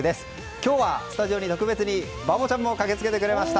今日は、スタジオに特別にバボちゃんも駆けつけてくれました。